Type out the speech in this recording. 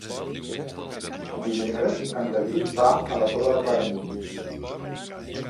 Dimecres en David va a la Torre de Claramunt.